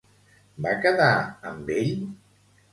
Va quedar amb ell?